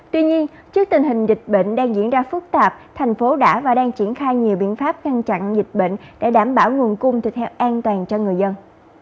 tuy nhiên trước tình hình dịch bệnh đang diễn ra phức tạp thành phố đã và đang triển khai nhiều biện pháp ngăn chặn dịch bệnh để đảm bảo nguồn cung thịt heo an toàn cho người dân